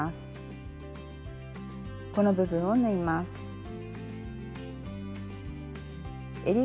この部分を縫います。